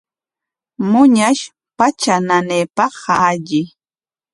Muñash patra nanaypaqqa alli.